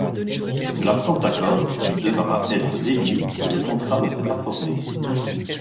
De l'absence d'accord, il devra être déduit que le contrat ne s'est pas formé.